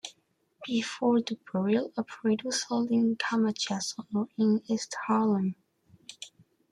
Before the burial, a parade was held in Camacho's honor in East Harlem.